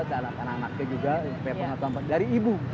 anak anaknya juga dari ibu